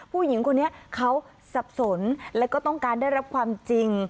ผู้หญิงคนนี้เขาสับสนแล้วก็ต้องการได้รับความจริง